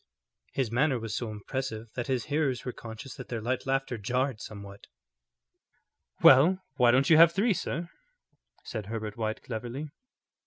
His manner was so impressive that his hearers were conscious that their light laughter jarred somewhat. "Well, why don't you have three, sir?" said Herbert White, cleverly.